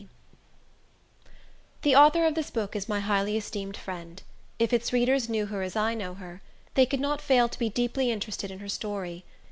C. The author of this book is my highly esteemed friend. If its readers knew her as I know her, they could not fail to be deeply interested in her story.